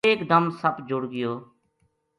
ایک دم سپ جُڑ گیو